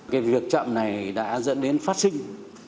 cái việc chậm này đã dẫn đến phát sinh